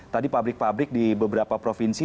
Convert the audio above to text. tadi pabrik pabrik di beberapa provinsi